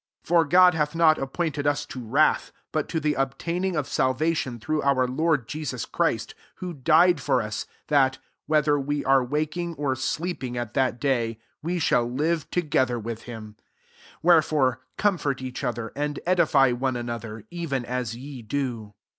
9 For God hath not appointed us to wrath, but to the obtaining of salva tion through our Lord Jesus Christ; 10 who died for us, that, whether we are waking or sleeping at that day, we shall live together with him. 1 1 Wherefore, comfort each other, and edify one another, even as ye do.